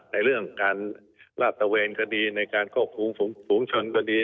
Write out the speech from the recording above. ในเรื่องการลาตเตอร์เวนก็ดีในการโฆษ์ฝูงชนก็ดี